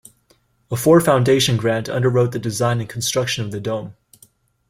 A Ford Foundation grant underwrote the design and construction of the dome.